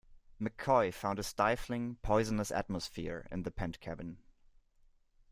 McCoy found a stifling, poisonous atmosphere in the pent cabin.